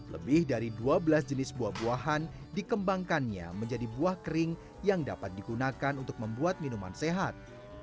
lebih dari dua belas jenis buah buahan dikembangkannya menjadi buah kering yang dapat digunakan untuk membuat minuman sehat